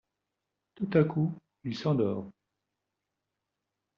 Tout à coup, il s'endort.